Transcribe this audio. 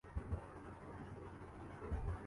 پر کون کرائے گا؟